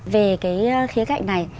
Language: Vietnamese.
về cái khía cạnh này